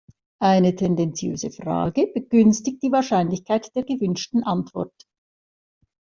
Eine tendenziöse Frage begünstigt die Wahrscheinlichkeit der gewünschten Antwort.